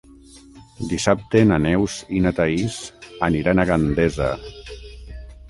Dissabte na Neus i na Thaís aniran a Gandesa.